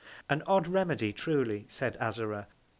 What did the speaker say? An odd Remedy truly, said Azora.